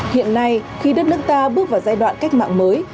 hiện nay khi đất nước ta bước vào giai đoạn cách mạng mới